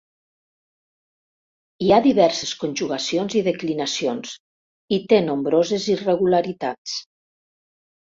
Hi ha diverses conjugacions i declinacions, i té nombroses irregularitats.